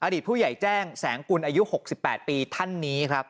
ผู้ใหญ่แจ้งแสงกุลอายุ๖๘ปีท่านนี้ครับ